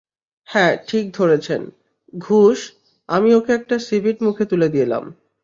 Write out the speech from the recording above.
হ্যাঁ ঠিক ধরেছেন, ঘুষ, আমি ওকে একটা সিভিট খুলে মুখে দিয়ে দিলাম।